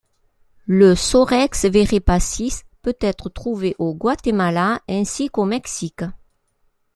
Le Sorex veraepacis peut être trouvé au Guatemala ainsi qu'au Mexique.